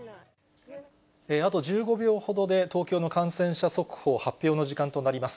あと１５秒ほどで、東京の感染者速報発表の時間となります。